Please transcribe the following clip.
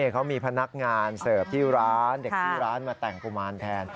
เขามีพนักงานเสิร์ฟที่ร้านเด็กที่ร้านมาแต่งกุมารแทน